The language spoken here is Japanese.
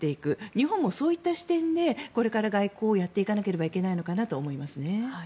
日本もそういった視点でこれから外交をやっていかなければいけないのかなと思いますね。